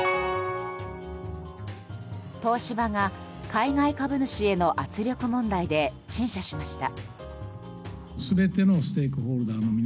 東芝が海外株主への圧力問題で陳謝しました。